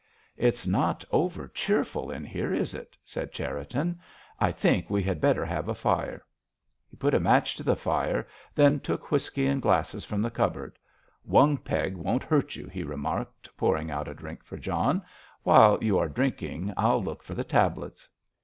"It's not over cheerful in here, is it?" said Cherriton. "I think we had better have a fire." He put a match to the fire, then took whisky and glasses from the cupboard. "One peg won't hurt you," he remarked, pouring out a drink for John. "While you are drinking, I'll look for the tablets."